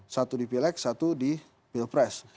satu dipilek satu dipilpres